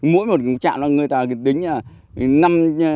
mỗi một trạm người ta tính là